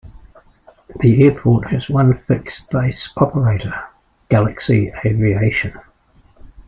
The airport has one fixed-base operator, Galaxy Aviation.